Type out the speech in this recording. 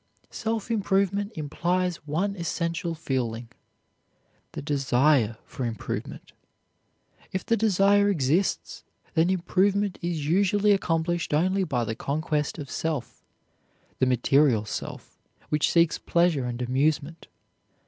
Self improvement implies one essential feeling: the desire for improvement. If the desire exists, then improvement is usually accomplished only by the conquest of self the material self, which seeks pleasure and amusement.